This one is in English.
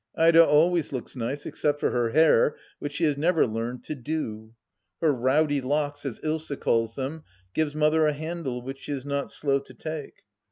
Ida always looks nice except for her hair, which she has never learned to "do." Her rowdy locks, as Ilsa calls them, give Mother a handle which she is not slow to take.